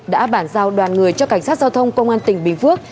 đã bản giao đoàn người cho cảnh sát giao thông công an tỉnh bình phước